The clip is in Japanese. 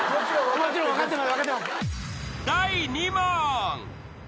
もちろん分かってます。